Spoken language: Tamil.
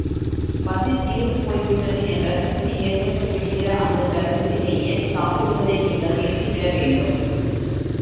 பசி தீர்ந்து போய்விட்டது என்ற திருப்தி ஏற்பட்டு விடுகிற அந்தத் தருணத்திலேயே, சாப்பிடுவதை நீங்கள் நிறுத்திவிடவேண்டும்.